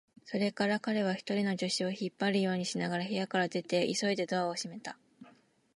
それから彼は、二人の助手を引っ張るようにしながら部屋から出て、急いでドアを閉めた。